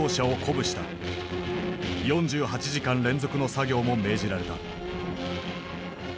４８時間連続の作業も命じられた。